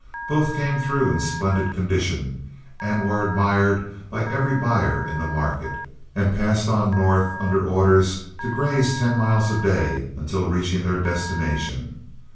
Both came through in splendid condition, were admired by every buyer in the market, and passed on north under orders to graze ten miles a day until reaching their destination.